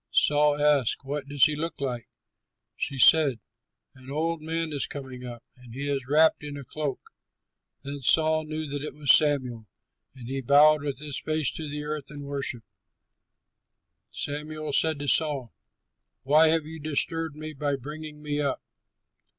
Saul asked, "What does he look like?" She said, "An old man is coming up, and he is wrapped in a cloak." Then Saul knew that it was Samuel; and he bowed with his face to the earth and worshipped. Samuel said to Saul, "Why have you disturbed me by bringing me up?"